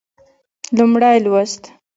لومړی لوست